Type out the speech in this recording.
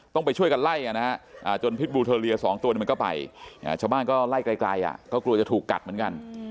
ต้องไปช่วยกันไล่จนพิษบูเทอเลีย๒ตัวมันก็ไปชาวบ้านก็ไล่ไกลก็กลัวจะถูกกัดเหมือนกัน